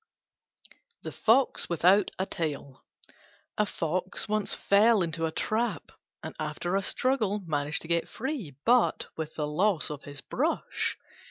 THE FOX WITHOUT A TAIL A fox once fell into a trap, and after a struggle managed to get free, but with the loss of his brush.